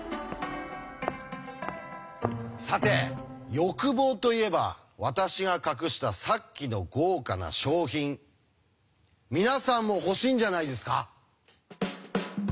さて欲望といえば私が隠したさっきの豪華な賞品皆さんも欲しいんじゃないですか？